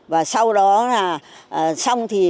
và sau đó là xong thì